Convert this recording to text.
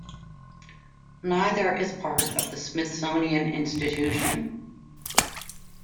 Neither is part of the Smithsonian Institution.